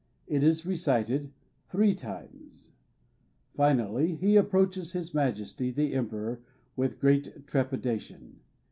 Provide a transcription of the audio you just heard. It is recited three times. Finally he approaches his Majesty, the Emperor, with great trepidation.